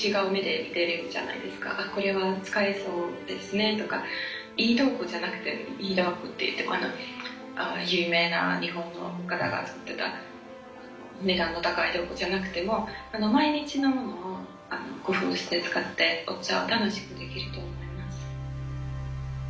これは使えそうですねとかいい道具じゃなくても有名な日本の方が作った値段の高い道具じゃなくても毎日飲むのを工夫して使ってお茶を楽しくできると思います。